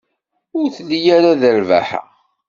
Ur telli ara d rrbaḥa.